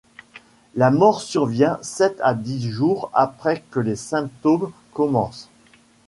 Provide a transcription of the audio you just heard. La mort survient sept à dix jours après que les symptômes commencent.